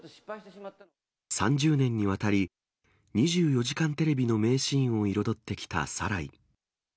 ３０年にわたり、２４時間テレビの名シーンを彩ってきたサライ。